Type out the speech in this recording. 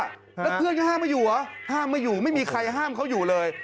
แล้วเพื่อนก็ห้ามมาอยู่เหรอห้ามมาอยู่ไม่มีใครห้ามเขาอยู่เลย